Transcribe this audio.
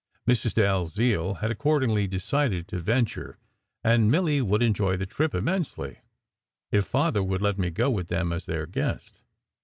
Mrs. Dalziel had accordingly decided to venture; and Milly would enjoy the trip immensely, if Father would let me go with them as their guest.